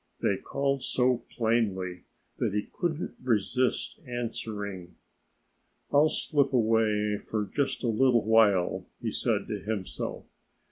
They called so plainly that he couldn't resist answering. "I'll slip away for just a little while," he said to himself.